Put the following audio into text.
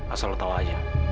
asal lo tau aja